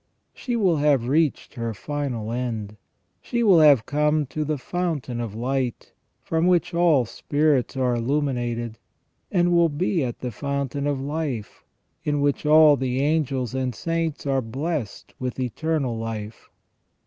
She will have reached her final end. She will have come to the Fountain of Light, from which all spirits are illuminated, and will be at the Fountain of Life, in which all the angels and saints are blessed with eternal life.